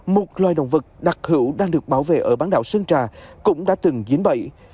một loài động vật đặc hữu đang được bảo vệ ở bán đảo sơn trà cũng đã từng giếm bậy